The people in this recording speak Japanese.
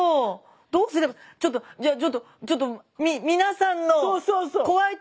どうすればちょっとじゃあちょっとちょっとみみなさんの怖い体験談。